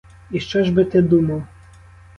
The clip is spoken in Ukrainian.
І що ж би ти думав?